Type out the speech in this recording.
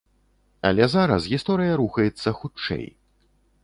Але зараз гісторыя рухаецца хутчэй.